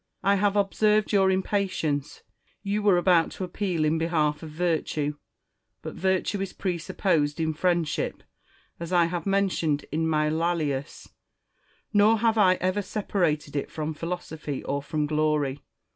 I have observed your impatience : you were about to appeal in behalf of virtue. But virtue is presupposed in friendship, as I have mentioned in my Lcelius ; nor have I ever separated it from philosophy or from glory.